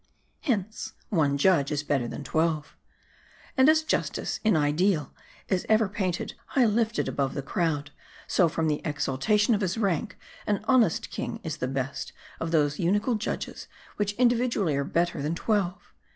Hence, one judge is better than twelve." " And as Justice, m ideal, is ever painted high lifted above the crowd ; so, from the exaltation of his rank, an honest king is the best of those unical judges, which individ ually are better than twelve.